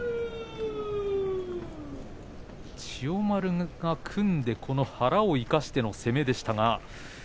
千代丸が組んでこの腹を生かしての攻めでした。